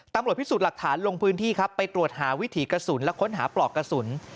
ตำรวจพิสูจน์หลักฐานลงพื้นที่ครับไปตรวจหาวิถีกระสุนและค้นหาปลอกกระสุน